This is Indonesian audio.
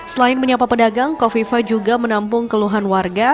selain menyapa pedagang kofifa juga menampung keluhan warga